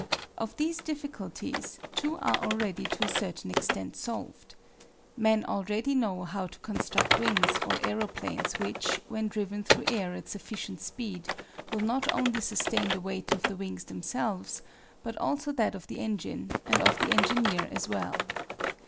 Of these difficulties two are already to a certain extent solved. Men already know how to construct wings or aeroplanes which, when driven through air at sufficient speed, will not only sustain the weight of the wings themselves, but also that of the engine, and of the engineer as well.